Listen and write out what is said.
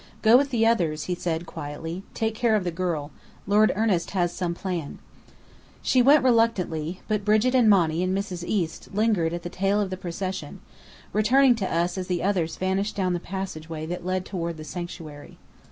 "Go with the others," he said, quietly. "Take care of the girl. Lord Ernest has some plan." She went reluctantly; but Brigit and Monny and Mrs. East lingered at the tail of the procession, returning to us as the others vanished down the passage that led toward the sanctuary.